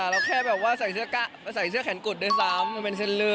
แค่แบบว่าใส่เสื้อแขนกดด้วยซ้ำมันเป็นเส้นเลือด